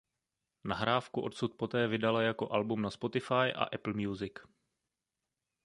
Nahrávku odsud poté vydala jako album na Spotify a Apple Music.